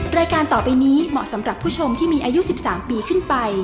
รายการต่อไปนี้เหมาะสำหรับผู้ชมที่มีอายุ๑๓ปีขึ้นไป